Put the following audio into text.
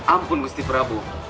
ampun gusti prabu